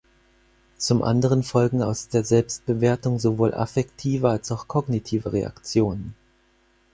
Zum anderen folgen aus der Selbstbewertung sowohl affektive als auch kognitive Reaktionen.